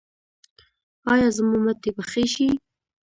ایا زما مټې به ښې شي؟